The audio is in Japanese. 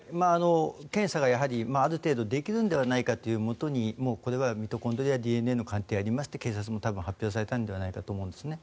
検査はやはり、ある程度できるのではないかというもとにこれはミトコンドリアＤＮＡ型鑑定やりまして発表されたのではないかと思うんですね。